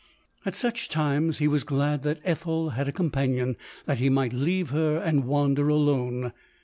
At such times he was glad that Ethel had a companion, that he might leave her and wander alone.